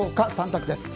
３択です。